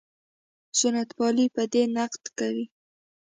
سنت پالي په دې نقد کوي.